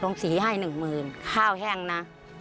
สีให้หนึ่งหมื่นข้าวแห้งนะ